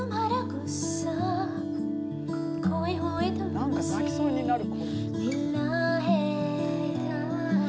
何か泣きそうになる。